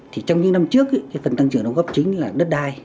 trong những năm trước phần tăng trưởng đó góp chính là đất đai